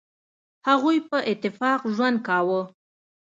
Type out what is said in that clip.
هغوی په اتفاق ژوند کاوه.